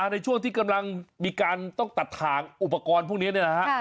ในช่วงที่กำลังมีการต้องตัดถ่างอุปกรณ์พวกนี้เนี่ยนะฮะ